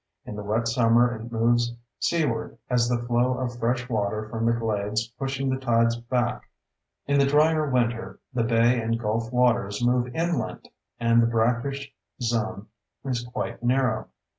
In the wet summer it moves seaward as the flow of fresh water from the glades pushes the tides back. In the drier winter the bay and gulf waters move inland and the brackish zone is quite narrow.